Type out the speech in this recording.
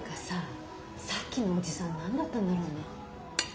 さっきのおじさん何だったんだろうね。